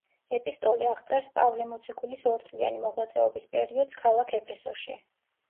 ეპისტოლე აღწერს პავლე მოციქულის ორწლიანი მოღვაწეობის პერიოდს ქალაქ ეფესოში.